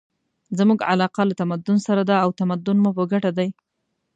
زموږ علاقه له تمدن سره ده او تمدن مو په ګټه دی.